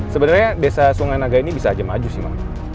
sebenarnya desa sungai naga ini bisa aja maju sih bang